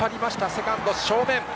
セカンド正面。